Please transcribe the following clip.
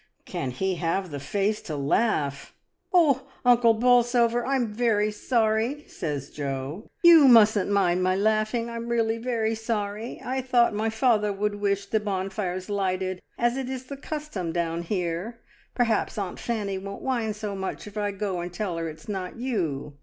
Can he have the face to laugh! "Oh! Uncle Bolsover, I — I'm very sorry," says Jo. "You mustn't mind my laughing — I'm really very sorry. I thought my father would wish the bonfires lighted, as it is the custom down here; per haps Aunt Fanny won't mind so much if I go and tell her it's not you.